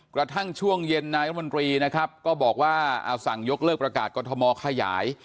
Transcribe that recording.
กระทั่งช่วงเย็นนายรัฐมนตรีนะครับก็บอกว่าสั่งยกเลิกประกาศกรทมขยาย